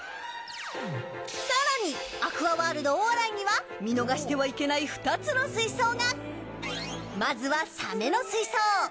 さらに、アクアワールド大洗には見逃してはいけない２つの水槽がまずはサメの水槽。